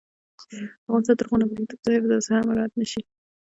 افغانستان تر هغو نه ابادیږي، ترڅو حفظ الصحه مراعت نشي.